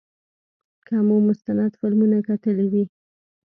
که مو مستند فلمونه کتلي وي.